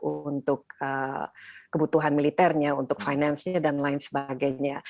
untuk kebutuhan militernya untuk keuangan dan lain sebagainya